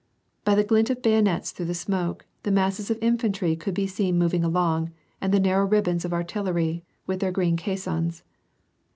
By the glint of bayonets through the smoke, the masses of infantry could be seen moving along, and the narrow ribbons of artil lery, with their green caissons.